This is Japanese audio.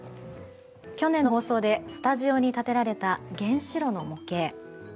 去年の放送でスタジオに立てられた原子炉の模型。